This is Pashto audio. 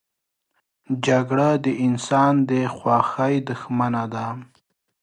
جګړه د انسان د خوښۍ دښمنه ده